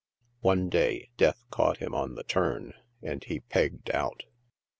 One day, Death caught him on the turn, and he pegged out.